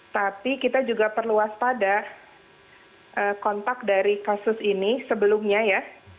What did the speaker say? tapi kita juga perlu waspada kontak dari kasus ini sebelumnya ya